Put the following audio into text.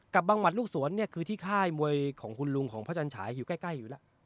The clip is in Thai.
บังหมัดลูกสวนเนี่ยคือที่ค่ายมวยของคุณลุงของพระจันฉายอยู่ใกล้อยู่แล้ว